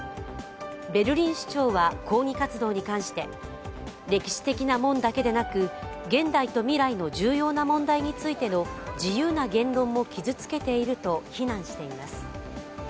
ベルリン市長は抗議活動に関して、歴史的な門だけでなく現代と未来の重要な問題についての自由な言論も傷つけていると非難しています。